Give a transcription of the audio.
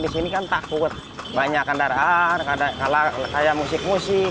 di sini kan takut banyak kendaraan kalah kayak musik musik